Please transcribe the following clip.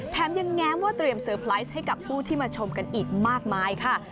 แถมยังแง้มว่าเตรียมเซอร์ไพรส์ให้กับผู้ที่มาชมกันอีกมากมายค่ะ